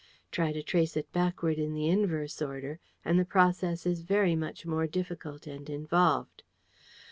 Try to trace it backward in the inverse order, and the process is very much more difficult and involved.